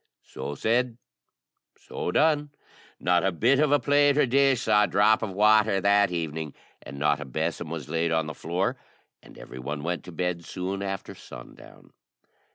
So said, so done. Not a bit of a plate or dish saw a drop of water that evening, and not a besom was laid on the floor, and every one went to bed soon after sundown.